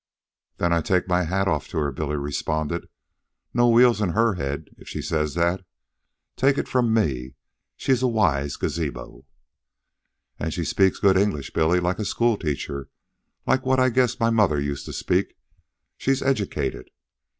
"Then I take my hat off to her," Billy responded. "No wheels in her head if she says that. Take it from me, she's a wise gazabo." "And she speaks good English, Billy, like a school teacher, like what I guess my mother used to speak. She's educated."